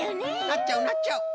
なっちゃうなっちゃう！